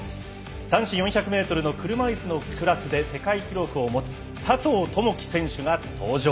男子４００ｍの車いすのクラスで世界記録を持つ佐藤友祈選手が登場。